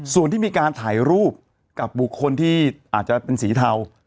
ส่วนที่มีการถ่ายรูปกับบุคคลที่อาจจะเป็นสีเทา